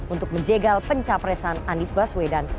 untuk menjegal pencapresan anies baswedan